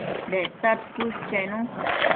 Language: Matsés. Dectad cuës chenu